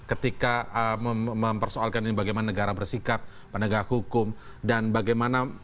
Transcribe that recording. ketika mempersoalkan ini bagaimana negara bersikap penegak hukum dan bagaimana